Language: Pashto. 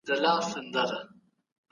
نظام د یو پیاوړي عصبیت په وسیله ساتل کیږي.